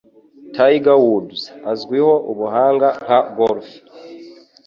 Tiger Woods azwiho ubuhanga nka golf.